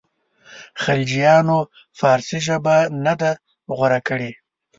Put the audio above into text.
خلجیانو فارسي ژبه نه ده غوره کړې.